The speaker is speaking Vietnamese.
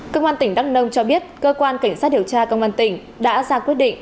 công an tỉnh đắk nông cho biết cơ quan cảnh sát điều tra công an tỉnh đã ra quyết định